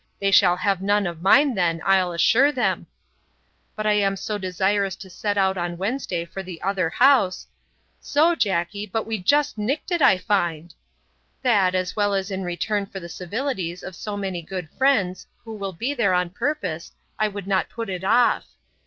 They shall have none of mine, then, I'll assure them!'—But I am so desirous to set out on Wednesday for the other house—'So, Jackey, but we just nicked it, I find:'—that, as well as in return for the civilities of so many good friends, who will be there on purpose, I would not put it off.